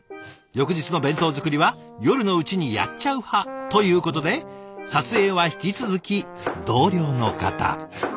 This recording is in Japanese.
翌日の弁当作りは夜のうちにやっちゃう派ということで撮影は引き続き同僚の方。